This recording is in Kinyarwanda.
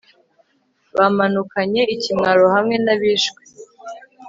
bamanukanye ikimwaro hamwe n abishwe